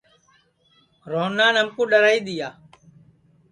روہنان ہمکُو ڈؔرائی دؔیا